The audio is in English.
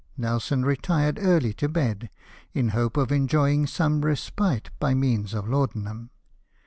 Nelson retired early to bed, in hope of enjoying some respite by means of laudanum.